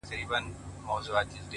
د ارادې قوت د خنډونو قد ټیټوي’